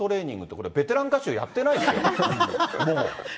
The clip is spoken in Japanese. これ、ベテラン歌手、やってないよ、もう。